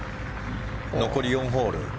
残り４ホール。